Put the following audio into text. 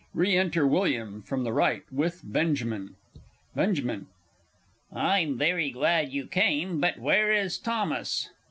_ Re enter WILLIAM, from R., with BENJAMIN. Benjamin. I'm very glad you came but where is Thomas?